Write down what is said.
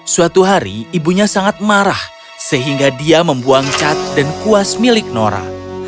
suatu hari ibunya sangat marah sehingga dia membuang cat dan kuas milik nora